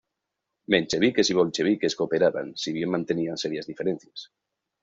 Mencheviques y bolcheviques cooperaban, si bien mantenían serias diferencias.